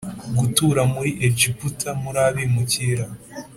gutura muri Egiputa muri abimukira